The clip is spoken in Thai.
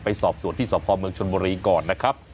ไปสอบสวนที่สะพอมเมืองชณ์มอรีก่อนนะครับ